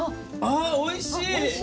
あおいしい！